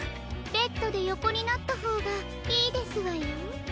ベッドでよこになったほうがいいですわよ。